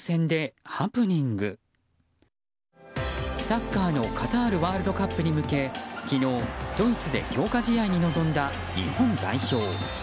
サッカーのカタールワールドカップに向け昨日、ドイツで強化試合に臨んだ日本代表。